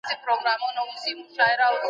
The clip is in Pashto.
خپله دنده په پوره امانتدارۍ سره ترسره کړئ.